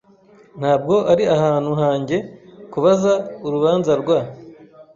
Ntabwo ari ahantu hanjye kubaza urubanza rwa .